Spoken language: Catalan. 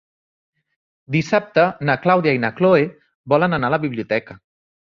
Dissabte na Clàudia i na Cloè volen anar a la biblioteca.